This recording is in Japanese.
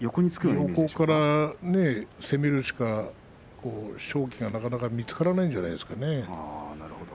横から攻めるしか勝機がなかなか見つからないんじゃないですかね。